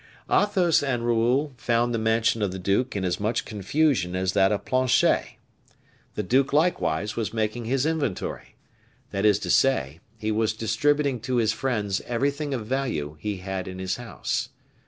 Athos and Raoul found the mansion of the duke in as much confusion as that of Planchet. The duke, likewise, was making his inventory; that is to say, he was distributing to his friends everything of value he had in his house.